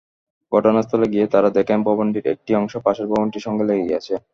ঘটনাস্থলে গিয়ে তাঁরা দেখেন ভবনটির একটি অংশ পাশের ভবনটির সঙ্গে লেগে আছে।